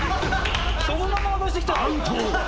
そのまま渡してきたよ！